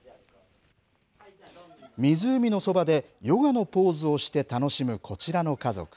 湖のそばでヨガのポーズをして楽しむこちらの家族。